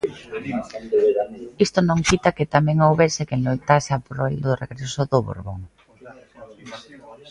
Isto non quita que tamén houbese quen loitase a prol do regreso do Borbón.